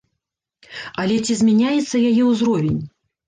Але ці змяняецца яе ўзровень?